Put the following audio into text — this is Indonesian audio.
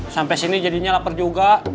sampai sini jadinya lapar juga